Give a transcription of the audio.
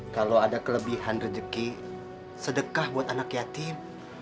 kalau ada kelebihan rezeki sedekah buat anak yatim